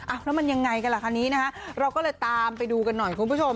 เอาแล้วมันยังไงกันล่ะคันนี้นะฮะเราก็เลยตามไปดูกันหน่อยคุณผู้ชม